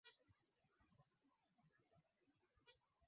kubadilisha makazi yao ya kudumu Miaka mingi